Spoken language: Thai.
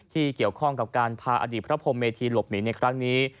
ที่เกี่ยวข้องกับการพาอดีตพระพรมเมธีหลบหนีในครั้งนี้